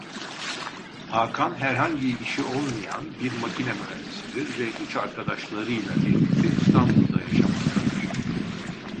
Hakan herhangi işi olmayan bir makine mühendisidir ve üç arkadaşlarıyla birlikte İstanbul'da yaşamaktadır.